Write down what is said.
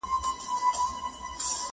• پاک پر شرعه برابر مسلمانان دي..